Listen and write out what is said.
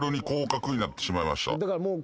だからもう。